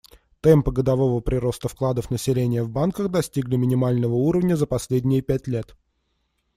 Темпы годового прироста вкладов населения в банках достигли минимального уровня за последние пять лет.